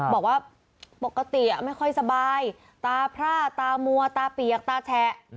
บอกว่าปกติไม่ค่อยสบายตาพร่าตามัวตาเปียกตาแฉะ